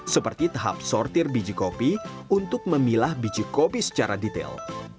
seperti tahap sortir biji kopi untuk memilah biji kopi secara detail